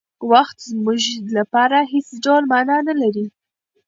وخت زموږ لپاره هېڅ ډول مانا نهلري.